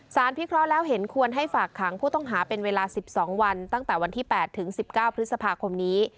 พิเคราะห์แล้วเห็นควรให้ฝากขังผู้ต้องหาเป็นเวลา๑๒วันตั้งแต่วันที่๘ถึง๑๙พฤษภาคมนี้